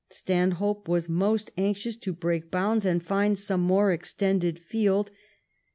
Stanhope was most anxious to break bounds, and find some more extended field.